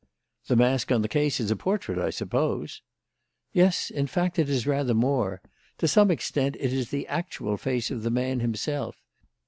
"The mask on the case is a portrait, I suppose?" "Yes; in fact, it is rather more. To some extent it is the actual face of the man himself.